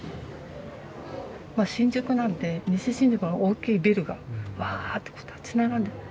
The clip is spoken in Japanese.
まあ新宿なんで西新宿の大きいビルがわってこう立ち並んで。